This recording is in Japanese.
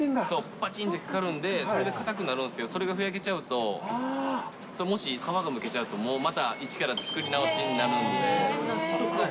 ぱちんとかかるんで、それで固くなるんですよ、それがふやけちゃうと、もし皮がむけちゃうとまた一から作り直しになるんで。